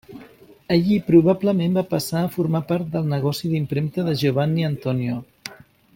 Allí probablement va passar a formar part del negoci d'impremta de Giovanni Antonio.